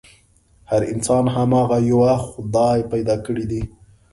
هر انسان هماغه يوه خدای پيدا کړی دی.